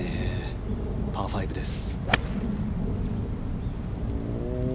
パー５です。